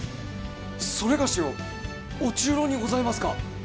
それがしを御中臈にございますか！？